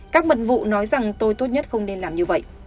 các mật vụ nói rằng tôi tốt nhất không nên làm như vậy